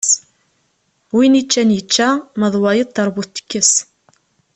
Win yeččan yečča, ma d wayeḍ teṛbut tekkes.